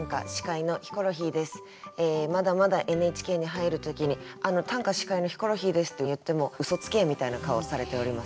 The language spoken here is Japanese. まだまだＮＨＫに入る時に「あの『短歌』司会のヒコロヒーです」って言っても「うそつけ！」みたいな顔をされております